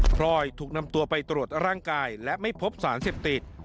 พลอยถูกนำตัวไปตรวจร่างกายและไม่พบสารเสพติด